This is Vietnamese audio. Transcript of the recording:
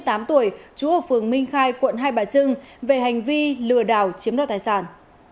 trú ở phường minh khai quận hai bà trưng về hành vi lừa đảo chiếm đoạt tài sản